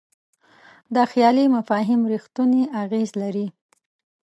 دا خیالي مفاهیم رښتونی اغېز لري.